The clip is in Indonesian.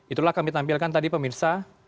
itulah kami tampilkan tadi pemirsa